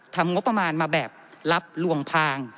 ทำงบประมาณมาแบบรับลวงพาง